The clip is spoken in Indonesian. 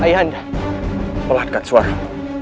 ayah anda melihatkan suara